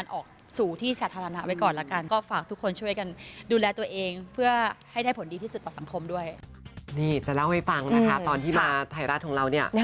ตอนที่มาถ่ายราชของเราเนี่ย